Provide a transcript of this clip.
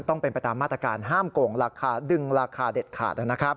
ต้องเป็นไปตามมาตรการห้ามโกงราคาดึงราคาเด็ดขาดนะครับ